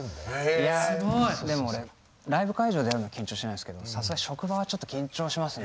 いやでも俺ライブ会場でやんのは緊張しないですけどさすがに職場はちょっと緊張しますね。